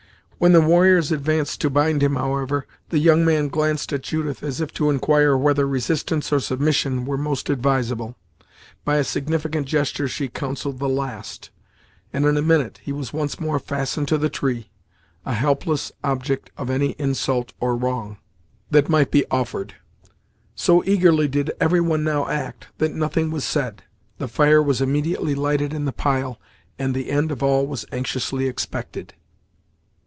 When the warriors advanced to bind him, however, the young man glanced at Judith, as if to enquire whether resistance or submission were most advisable. By a significant gesture she counselled the last, and, in a minute, he was once more fastened to the tree, a helpless object of any insult, or wrong, that might be offered. So eagerly did every one now act, that nothing was said. The fire was immediately lighted in the pile, and the end of all was anxiously expected.